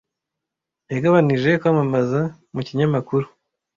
Yagabanije kwamamaza mu kinyamakuru.